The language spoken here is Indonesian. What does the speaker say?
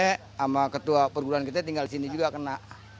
sama ketua perguruan kita tinggal di sini juga kena